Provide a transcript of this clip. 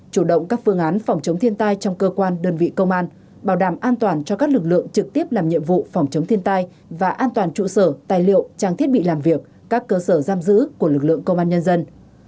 chủ động các phương án phòng chống thiên tai trong cơ quan đơn vị công an bảo đảm an toàn cho các lực lượng trực tiếp làm nhiệm vụ phòng chống thiên tai và an toàn trụ sở tài liệu trang thiết bị làm việc các cơ sở giam giữ của lực lượng công an nhân dân